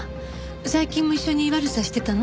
最近も一緒に悪さしてたの？